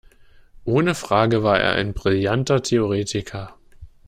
Ohne Frage war er ein brillanter Theoretiker.